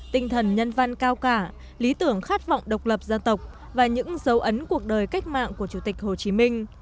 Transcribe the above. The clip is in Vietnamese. tinh thần nhân văn cao cả lý tưởng khát vọng độc lập dân tộc và những dấu ấn cuộc đời cách mạng của chủ tịch hồ chí minh